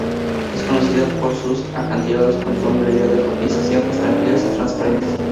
Es conocida por sus acantilados con tonalidades rojizas y aguas tranquilas y transparentes.